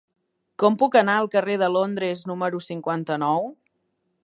Com puc anar al carrer de Londres número cinquanta-nou?